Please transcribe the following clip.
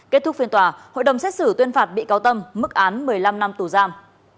kết thúc phiên tòa hội đồng xét xử tuyên phạt bị cáo tâm mức án một mươi năm năm tù giam